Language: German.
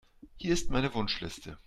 Hier ist meine Wunschliste.